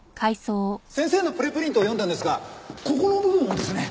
先生のプレプリントを読んだんですがここの部分をですね